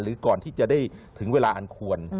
ก่อนที่จะได้ถึงเวลาอันควร